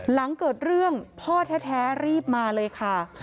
หลังเกิดเรื่องพ่อแท้รีบมาเลยค่ะ